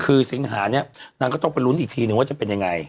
คือสิงหาเนี่ยนางก็ต้องไปลุ้นอีกทีนึงว่าจะเป็นยังไง